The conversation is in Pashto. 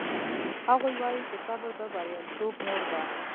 هغوی وایي چې صبر د بریالیتوب مور ده